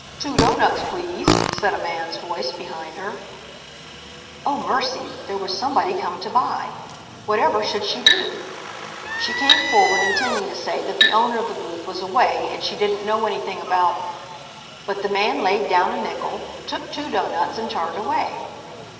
"Two doughnuts, please," said a man's voice behind her. Oh, mercy, there was somebody come to buy! Whatever should she do? She came forward intending to say that the owner of the booth was away and she didn't know anything about ... but the man laid down a nickel, took two doughnuts, and turned away.